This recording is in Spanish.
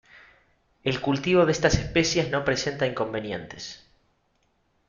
El cultivo de estas especies no presenta inconvenientes.